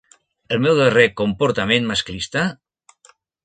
El meu darrer comportament masclista?